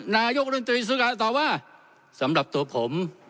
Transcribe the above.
นายกรัฐมนตรีสุกะตอบว่าสำหรับตัวผม